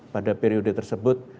pada periode tersebut